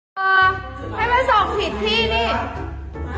กลับมารมันทราบ